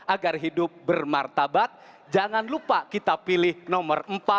agar hidup bermartabat jangan lupa kita pilih nomor empat